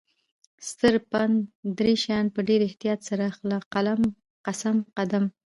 ستر پند: دری شیان په ډیر احتیاط سره اخله: قلم ، قسم، قدم